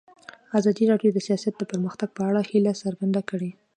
ازادي راډیو د سیاست د پرمختګ په اړه هیله څرګنده کړې.